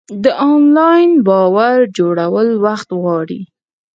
د انلاین باور جوړول وخت غواړي.